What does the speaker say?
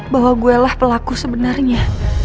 bahwa gue lah pelaku sebenarnya